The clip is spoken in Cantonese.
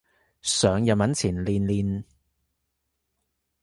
上日文前練練